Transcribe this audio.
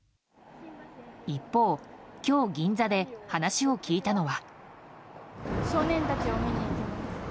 一方、今日銀座で話を聞いたのは。